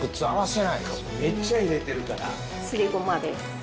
めっちゃ入れてるから。